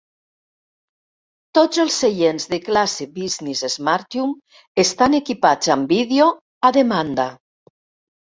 Tots els seients de classe business "smartium" estan equipats amb vídeo a demanda.